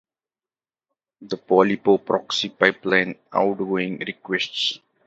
The Polipo proxy pipelines outgoing requests.